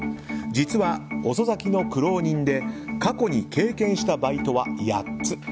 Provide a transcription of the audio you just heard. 実は、遅咲きの苦労人で過去に経験したバイトは８つ。